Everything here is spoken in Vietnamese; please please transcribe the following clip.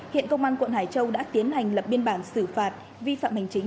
hiện công an quận hải châu đã tiến hành lập biên bản xử phạt vi phạm hành chính